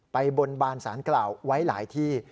ไปบนบานศาลเกล่าไว้หลายที่